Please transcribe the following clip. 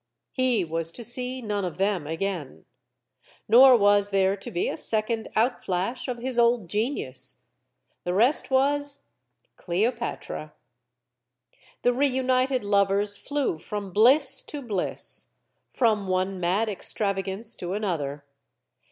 He was to see none of them again. Nor was there to be a second outflash of his old genius. The rest was Cleopatra. The reunited lovers flew from bliss to bliss, from one mad extravagance to another.